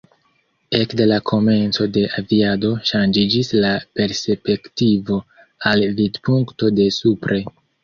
Ekde la komenco de aviado, ŝanĝiĝis la perspektivo al vidpunkto de supre.